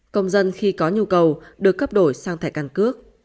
công dân khi có nhu cầu được cấp đổi sang thẻ căn cước